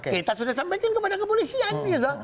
kita sudah sampaikan kepada kepolisian gitu